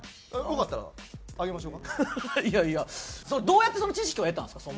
どうやってその知識は得たんですか？